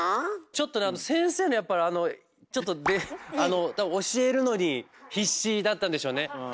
ちょっとねあの先生のやっぱりあのちょっとあの教えるのに必死だったんでしょうね。